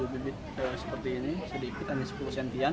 bibit seperti ini sedikit hanya sepuluh sentian